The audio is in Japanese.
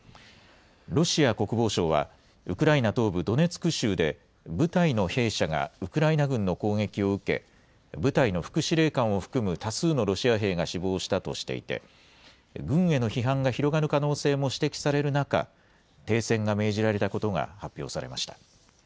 ロシア国防省は、ウクライナ東部ドネツク州で、部隊の兵舎がウクライナ軍の攻撃を受け、部隊の副司令官を含む多数のロシア兵が死亡したとしていて、軍への批判が広がる可能性が指摘される中、停戦が命じられたことが発表されました。